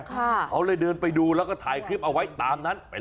เขาเลยเดินไปดูแล้วก็ถ่ายคลิปเอาไว้ตามนั้น